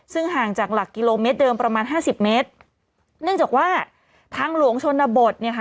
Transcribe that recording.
ซึ่งห่างจากหลักกิโลเมตรเดิมประมาณห้าสิบเมตรเนื่องจากว่าทางหลวงชนบทเนี่ยค่ะ